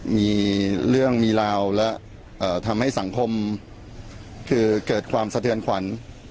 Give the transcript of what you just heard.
มีเรื่องมีราวและทำให้สังคมคือเกิดความสะเทือนขวัญ